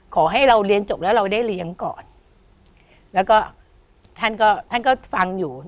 ขอให้เราเรียนจบแล้วเราได้เลี้ยงก่อนแล้วก็ท่านก็ท่านก็ฟังอยู่